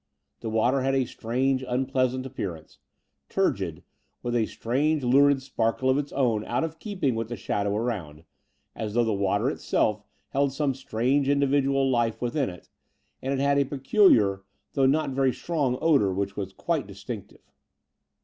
The water had a strange, unpleasant appearance — turgid, with a strange lurid sparkle of its own out of keeping with the shadow aroimd, as though the water itself held some strange individual life within it: and it had a peculiar, though not very strong odour, which was quite distinctive.